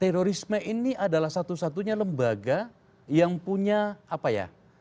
terorisme ini adalah satu satunya lembaga yang punya apa ya